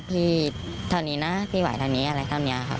พี่เท่านี้นะพี่ไหวเท่านี้อะไรเท่านี้ค่ะ